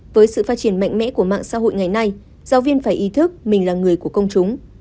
với sự phát triển mạnh mẽ của mạng xã hội ngày nay giáo viên phải ý thức mình là người của công chúng